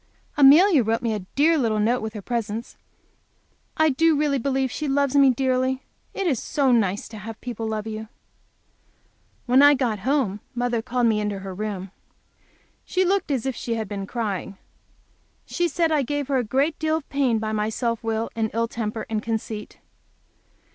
Amelia wrote me a dear little note, with her presents. I do really believe she loves me dearly. It is so nice to have people love you! When I got home mother called me into her room. She looked as if she had been crying. She said I gave her a great deal of pain by my self will and ill temper and conceit.